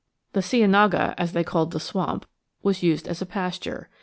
The cienaga as they called the swamp was used as a pasture.